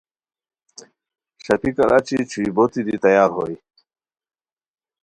ݰاپیکار اچی چھوئی بوتی دی تیار ہوئے